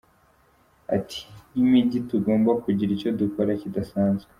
Ati”Nk’imijyi tugomba kugira icyo dukora kidasanzwe.